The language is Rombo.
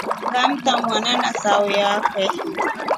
Ngamta mwana na sauyo akwe.